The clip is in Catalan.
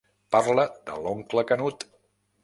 Parla de l'oncle Canut.